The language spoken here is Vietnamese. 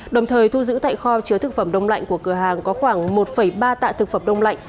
đồng thời thu giữ tại kho chứa thực phẩm đông lạnh của cửa hàng có khoảng một ba tạ thực phẩm đông lạnh